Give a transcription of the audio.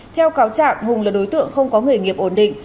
theo cáo trạng hùng là đối tượng không có nghề nghiệp ổn định